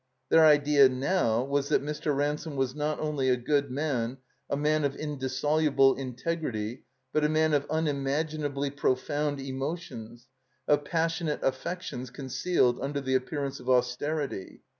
Their idea now was that Mr. Ransome was not only a good man, a man of indissoluble integrity, but a man of unimaginably profound emotions, of passionate affections con cealed under the appearance of austerity.